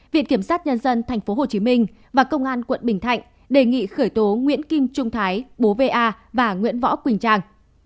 viện kiểm sát nhân dân tp hcm và công an quận bình thạnh đề nghị khởi tố nguyễn kim trung thái bố va và nguyễn võ quỳnh trang